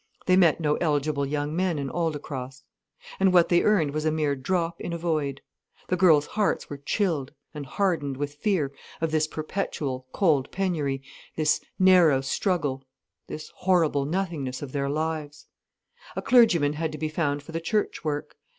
They met no eligible young men in Aldecross. And what they earned was a mere drop in a void. The girls' hearts were chilled and hardened with fear of this perpetual, cold penury, this narrow struggle, this horrible nothingness of their lives. A clergyman had to be found for the church work.